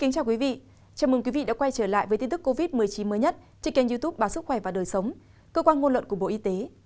chào mừng quý vị đã quay trở lại với tin tức covid một mươi chín mới nhất trên kênh youtube báo sức khỏe và đời sống cơ quan ngôn luận của bộ y tế